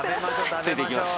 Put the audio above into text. ついていきます。